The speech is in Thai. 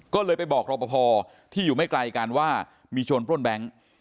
ก็เลยไปบอกรอปภที่อยู่ไม่ไกลกันว่ามีโจรปล้นแบงค์